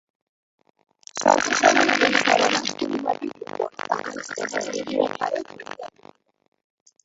সঙ্গে সঙ্গে এই সরলা খুড়িমাটির উপর তাহার স্নেহ নিবিড়তার হইয়া উঠিল।